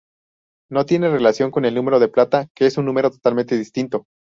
No tiene relación con el número de plata que es un número totalmente distinto.